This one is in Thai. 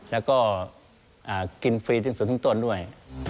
แล้วก็กินฟรีที่สุดทั้งต้นด้วย